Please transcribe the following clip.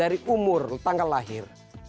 dari umur tanggal lahir